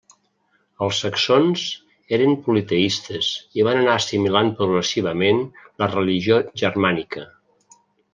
Els saxons eren politeistes i van anar assimilant progressivament la religió germànica.